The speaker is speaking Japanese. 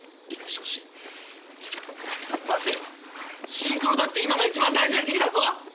シンクロだって今がいちばん大事な時期だぞ！